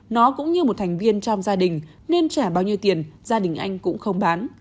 nó cũng như một thành viên trong gia đình nên trả bao nhiêu tiền gia đình anh cũng không bán